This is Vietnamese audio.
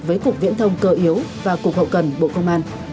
với cục viễn thông cơ yếu và cục hậu cần bộ công an